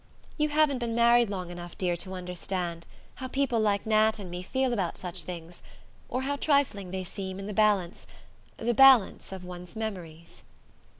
"You haven't been married long enough, dear, to understand... how people like Nat and me feel about such things... or how trifling they seem, in the balance... the balance of one's memories."